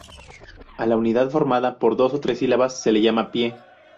A la unidad formada por dos o tres sílabas se le llamaba pie.